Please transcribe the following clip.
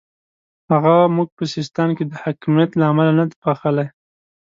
هغه موږ په سیستان کې د حکمیت له امله نه دی بخښلی.